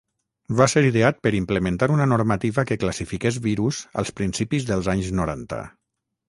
Va ser ideat per implementar una normativa que classifiqués virus als principis dels anys noranta.